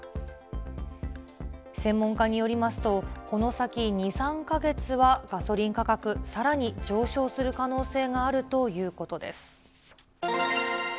専門家によりますと、この先、２、３か月はガソリン価格、さらに上昇する可能性があるということです。